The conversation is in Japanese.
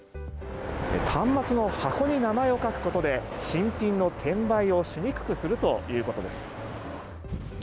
端末の箱に名前を書くことで新品の転売をしにくくするということです。